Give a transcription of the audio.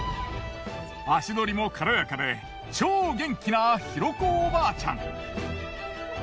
足取りも軽やかで超元気な尋子おばあちゃん。